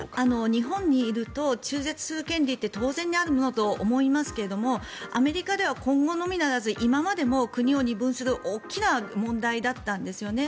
日本にいると中絶する権利って当然にあるものと思いますけどアメリカでは今後のみならず今までも国を二分する大きな問題だったんですよね。